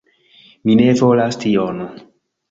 Mi ne volas tion